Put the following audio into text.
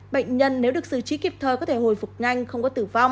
bệnh nhân nếu được xử trí kịp thời có thể hồi phục nhanh không có tử vong